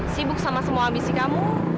sibuk sama semua ambisi kamu